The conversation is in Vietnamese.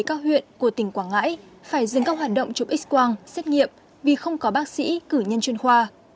các huyện của tỉnh quảng ngãi phải dừng các hoạt động chụp x quang xét nghiệm vì không có bác sĩ cử nhân chuyên khoa